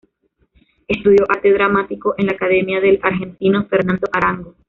Estudió Arte Dramático en la Academia del argentino Fernando Arango.